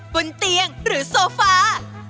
บนเตียงหรือโซฟา